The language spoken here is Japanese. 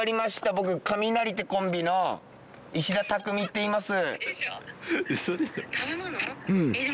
僕カミナリってコンビの石田たくみっていいます。